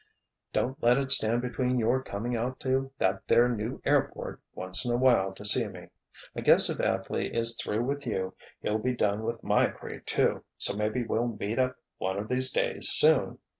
"Don't let it stand between your coming out to that there new airport once in awhile to see me. I guess if Atley is through with you he'll be done with my crate too, so maybe we'll meet up one of these days soon.